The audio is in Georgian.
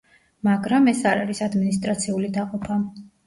მაგრამ, ეს არ არის ადმინისტრაციული დაყოფა.